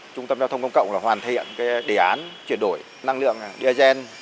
trung tâm giao thông công cộng hoàn thiện đề án chuyển đổi năng lượng diesel